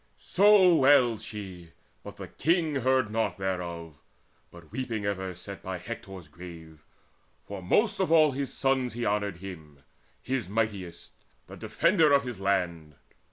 So wailed she; but the King heard naught thereof, But weeping ever sat by Hector's grave, For most of all his sons he honoured him, His mightiest, the defender of his land.